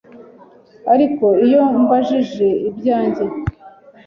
ariko iyo mbajije ibyanjye